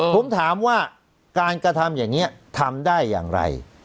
ผมถามว่าการกระทำอย่างนี้ทำได้อย่างไร